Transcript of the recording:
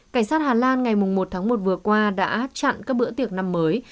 cảnh sát hà lan ngày một tháng một vừa qua đã chặn các bữa tiệc năm mới